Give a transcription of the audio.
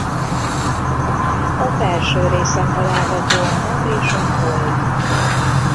A felső részen található a Nap és a Hold.